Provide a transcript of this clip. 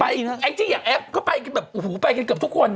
ไปไอ้จิ๊กอยากแอบก็ไปกันแบบไปกันเกือบทุกคน